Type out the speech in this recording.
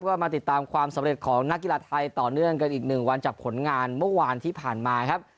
ก็มาติดตามความสำเร็จของนักกีฬาไทยต่อเนื่องกันอีกหนึ่งวันจากผลงานเมื่อวานที่ผ่านมาครับ